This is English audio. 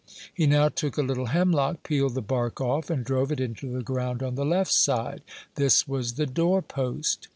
He now took a little hemlock, peeled the bark off, and drove it into the ground on the left side; this was the door post.